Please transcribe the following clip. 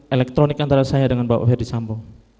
elektronik antara saya dengan bapak ferdisambo